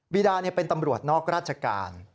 ีดาเป็นตำรวจนอกราชการ